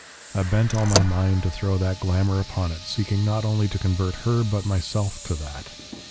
I bent all my mind to throw that glamour upon it, seeking not only to convert her but myself to that.